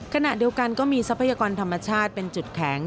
ขณะเดียวกันก็มีทรัพยากรธรรมชาติเป็นจุดแข็ง